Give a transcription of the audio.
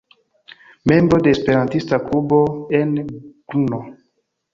Membro de Esperantista klubo en Brno.